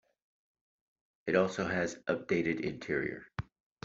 It also had updated Interior.